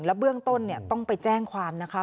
เบื้องต้นต้องไปแจ้งความนะคะ